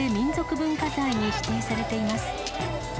文化財に指定されています。